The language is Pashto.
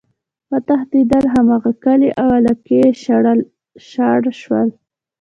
وتښتيدل!! هماغه کلي او علاقي ئی شاړ شول،